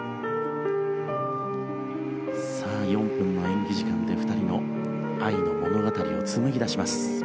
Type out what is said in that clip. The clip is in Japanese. さあ４分の演技時間で２人の愛の物語を紡ぎ出します。